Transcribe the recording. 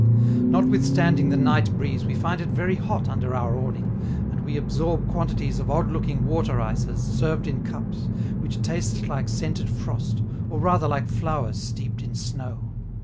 Notwithstanding the night breeze, we find it very hot under our awning, and we absorb quantities of odd looking water ices, served in cups, which taste like scented frost, or rather like flowers steeped in snow.